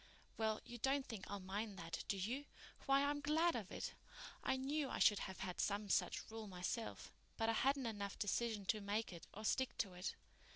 "Well, you don't think I'll mind that, do you? Why, I'm glad of it. I knew I should have had some such rule myself, but I hadn't enough decision to make it or stick to it.